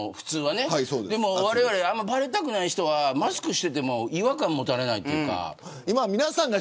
でも、ばれたくない人はマスクしていても違和感持たれないというか。